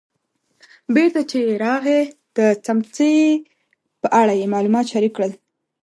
بېرته چې راغی د څمڅې په اړه یې معلومات شریک کړل.